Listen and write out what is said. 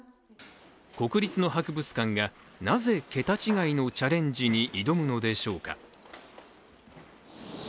国立の博物館がなぜ桁違いのチャレンジに挑むのでしょうか。